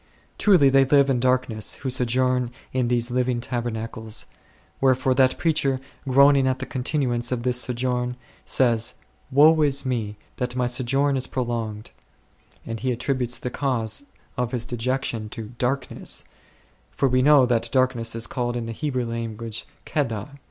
Truly, they live in dark ness who sojourn in these living tabernacles ; wherefore that preacher, groaning at the con tinuance of this sojourn, says, " Woe is me that my sojourn is prolonged V' and he attributes the cause of his dejection to "darkness"; for \^e know that darkness is called in the Hebrew language "kedar."